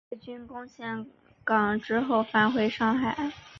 日军攻陷陷港之后返回上海。